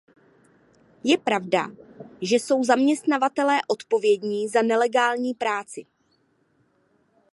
Je pravda, že jsou zaměstnavatelé odpovědní za nelegální práci.